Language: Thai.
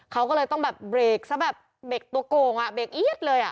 เขาก็เลยต้องเบรกซะแบบเบรกตัวโกงเบรกอี๊ดเลย